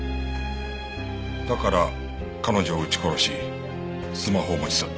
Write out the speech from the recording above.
だから彼女を撃ち殺しスマホを持ち去った。